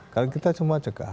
kalau kita semua cekah